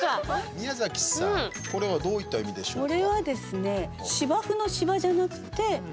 宮崎さん、これはどういった意味でしょうか？